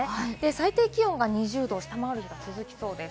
最低気温が２０度を下回る日が続きそうです。